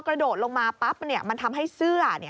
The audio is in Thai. กระโดดลงมาปั๊บมันทำให้เสื้อ